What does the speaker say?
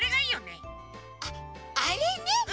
あっあれね！